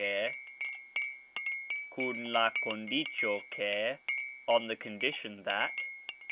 kun la kondicxo, ke on the condition that.